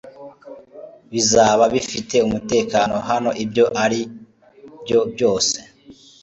Bizaba bifite umutekano hano ibyo ari byo byose